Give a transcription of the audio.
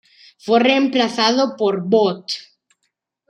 Fue reemplazada por "Bot.